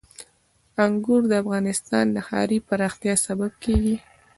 انګور د افغانستان د ښاري پراختیا سبب کېږي.